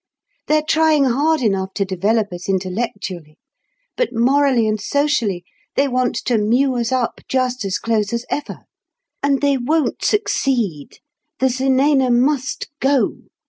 They're trying hard enough to develop us intellectually; but morally and socially they want to mew us up just as close as ever. And they won't succeed. The zenana must go.